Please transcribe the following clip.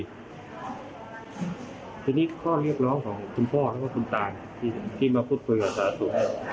นี่ข้อเรียกร้องของคุณพ่อและคุณตาลที่มาพูดคุยกับสาธารณ์ศูนย์